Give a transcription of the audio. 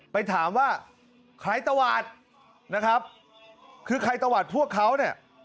ไปถามว่าใครตวาดนะครับคือใครตวาดพวกเขาเนี่ย